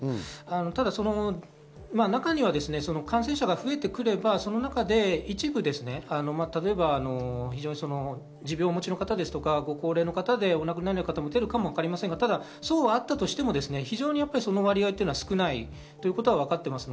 ただ中には感染者が増えてくればその中で一部、持病をお持ちの方や高齢の方で亡くなられる方も出るかもしれませんが、そうであったとしてもその割合は少ないということはわかっています。